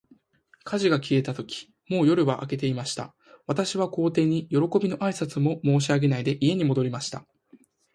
火事が消えたとき、もう夜は明けていました。私は皇帝に、よろこびの挨拶も申し上げないで、家に戻りました。